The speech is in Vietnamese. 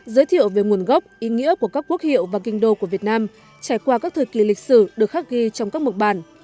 giới thiệu về nguồn gốc ý nghĩa của các quốc hiệu và kinh đô của việt nam trải qua các thời kỳ lịch sử được khắc ghi trong các mục bản